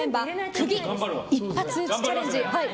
くぎ一発打ちチャレンジ。